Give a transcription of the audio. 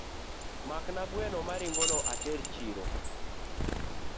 Makna gweno maringoni ater chiro.